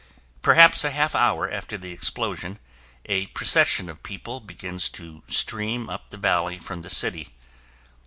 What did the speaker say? Perhaps a half hour after the explosion, a procession of people begins to stream up the valley from the city.